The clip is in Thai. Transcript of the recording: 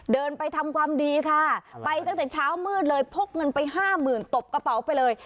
เดินไปทำความดีค่ะไปตั้งแต่เช้ามืดเลยพกเงินไปห้าหมื่นตบกระเป๋าไปเลย